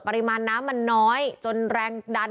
ปริมาณน้ำมันน้อยจนแรงดัน